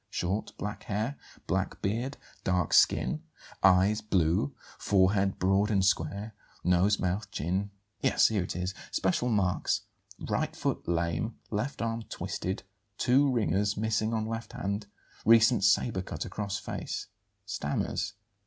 Short; black hair; black beard; dark skin; eyes, blue; forehead, broad and square; nose, mouth, chin ' Yes, here it is: 'Special marks: right foot lame; left arm twisted; two ringers missing on left hand; recent sabre cut across face; stammers.'